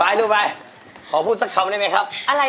ไม่เด็กผมเข้าใจครับ